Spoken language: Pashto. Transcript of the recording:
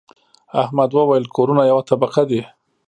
احمد وويل: کورونه یوه طبقه دي.